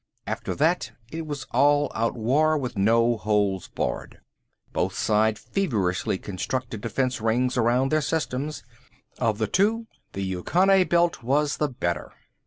After that it was all out war, with no holds barred. Both sides feverishly constructed defense rings around their systems. Of the two, the Yucconae belt was the better.